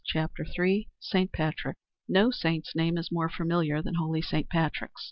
CHAPTER III SAINT PATRICK No saint's name is more familiar than holy Saint Patrick's.